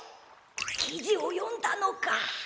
きじをよんだのか？